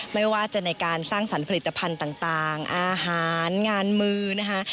ไม่ว่าจะในการสร้างสรรค์ผลิตภัณฑ์ต่างอาหารงานมือนะคะ